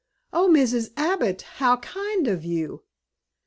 "Oh, Mrs. Abbott! How kind of you!"